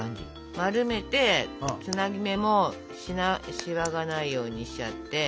丸めてつなぎ目もシワがないようにしちゃって。